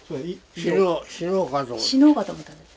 死のうかと思ったんだって。